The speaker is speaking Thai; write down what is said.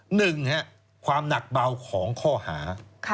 หนึ่งความหนักเบาของข้อหา